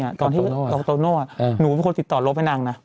กับโตโน่อะอ่ะนี่หลังตอนที่เขาโตโน่หนูเป็นคนติดต่อลบให้นางนะ